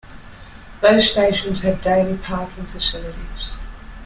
Both stations have daily parking facilities.